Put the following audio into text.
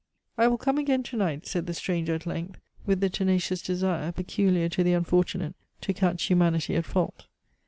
"I will come again to night," said the stranger at length, with the tenacious desire, peculiar to the unfortunate, to catch humanity at fault.